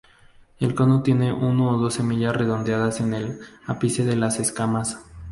El cono contiene uno o dos semillas redondeadas en el ápice de las escamas.